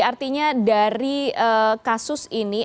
artinya dari kasus ini